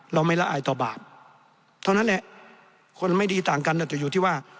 เราไม่ละอายต่อบาปเท่านั้นแหละคนไม่ดีต่างกันอาจจะอยู่ที่ว่า